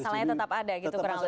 masalahnya tetap ada gitu kurang lebih